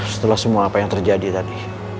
setelah semua apa yang terjadi tadi